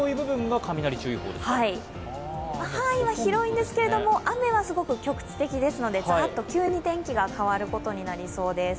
はい、範囲は広いんですけれども雨はすごく局地的ですのでザーッと急に天気が変わることになりそうです。